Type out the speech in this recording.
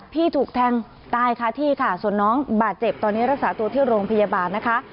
ถูกแทงตายคาที่ค่ะส่วนน้องบาดเจ็บตอนนี้รักษาตัวที่โรงพยาบาลนะคะ